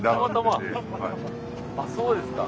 あっそうですか。